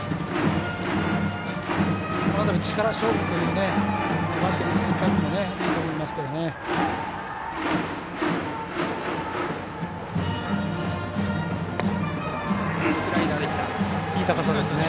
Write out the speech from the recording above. この辺り、力勝負というバッテリーの選択もいいと思いますけどね。